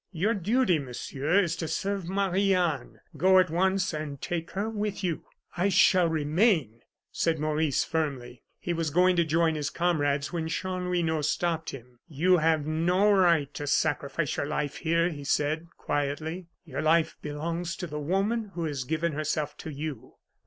"Your duty, Monsieur, is to serve Marie Anne. Go at once, and take her with you." "I shall remain," said Maurice, firmly. He was going to join his comrades when Chanlouineau stopped him. "You have no right to sacrifice your life here," he said, quietly. "Your life belongs to the woman who has given herself to you."